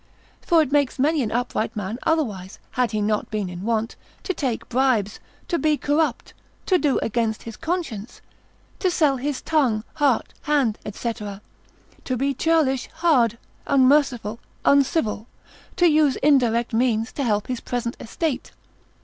For it makes many an upright man otherwise, had he not been in want, to take bribes, to be corrupt, to do against his conscience, to sell his tongue, heart, hand, &c., to be churlish, hard, unmerciful, uncivil, to use indirect means to help his present estate.